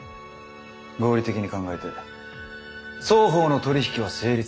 合理的に考えて双方の取り引きは成立する。